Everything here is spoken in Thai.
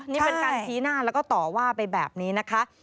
นี่เป็นการชี้หน้าแล้วก็ต่อว่าไปแบบนี้นะคะ